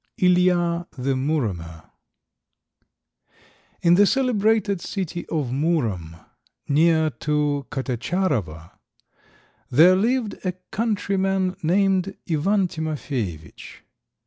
ILIJA, THE MUROMER. IN the celebrated city of Murom, near to Katatscharowa, there lived a countryman named Ivan Timofejevitch.